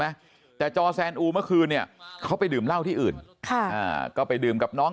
ไหมจอแซนอูเมื่อคืนเนี่ยเขาไปดื่มเล่าที่อื่นก็ไปดื่มกับน้อง